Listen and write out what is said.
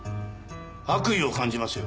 悪意を感じますよ。